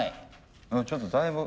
ちょっとだいぶ。